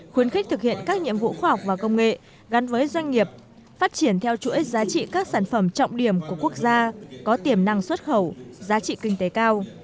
khuyến khích thực hiện các nhiệm vụ khoa học và công nghệ gắn với doanh nghiệp phát triển theo chuỗi giá trị các sản phẩm trọng điểm của quốc gia có tiềm năng xuất khẩu giá trị kinh tế cao